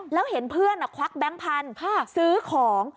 แล้วเห็นเพื่อนควักแบงค์พันธุ์ซื้อของ